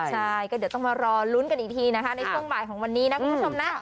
ใช่ก็เดี๋ยวต้องมารอลุ้นกันอีกทีนะคะในช่วงบ่ายของวันนี้นะคุณผู้ชมนะ